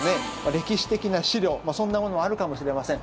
歴史的な資料、そんなものもあるかもしれません。